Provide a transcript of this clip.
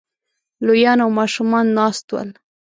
لويان او ماشومان ناست ول